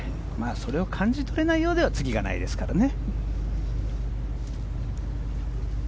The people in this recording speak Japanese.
それを感じ取れないようでは次がないですからね。